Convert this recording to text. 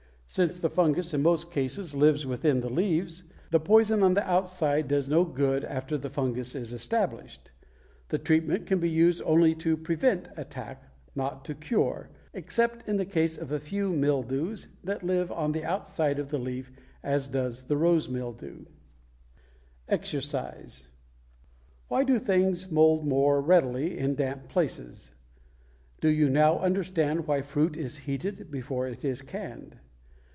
Since the fungus in most cases lives within the leaves, the poison on the outside does no good after the fungus is established. The treatment can be used only to prevent attack, not to cure, except in the case of a few mildews that live on the outside of the leaf, as does the rose mildew. =EXERCISE= Why do things mold more readily in damp places? Do you now understand why fruit is heated before it is canned?